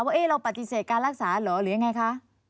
ว่าเราปฏิเสธการรักษาเหรอหรือยังไงคะ